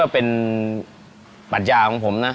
เป็นปัญญาของผมนะ